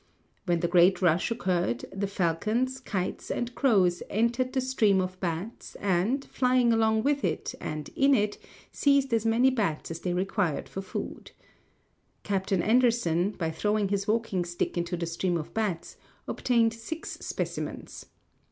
When the great rush occurred the falcons, kites, and crows entered the stream of bats and, flying along with it and in it, seized as many bats as they required for food. Capt. Anderson, by throwing his walking stick into the stream of bats, obtained six specimens.